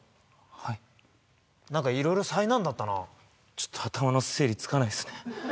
はい何か色々災難だったなちょっと頭の整理つかないっすね